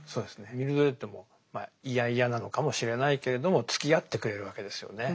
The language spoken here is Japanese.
ミルドレッドも嫌々なのかもしれないけれどもつきあってくれるわけですよね。